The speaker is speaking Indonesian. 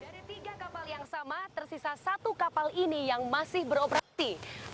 dari tiga kapal yang sama tersisa satu kapal ini yang masih beroperasi